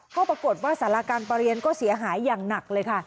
ก็ปรากฏว่าสาราการประเรียนก็เสียหายอย่างหนักเลยค่ะ